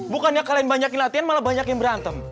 bukannya kalian banyakin latihan malah banyak yang berantem